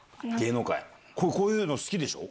こういうの好きでしょ？